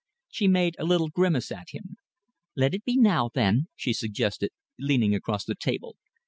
She made a little grimace at him. "Let it be now, then," she suggested, leaning across the table.